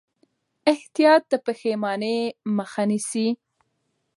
احتیاط د پښېمانۍ مخه نیسي.